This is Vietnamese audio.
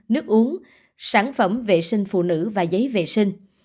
nước uống sản phẩm vệ sinh phụ nữ và giấy vệ sinh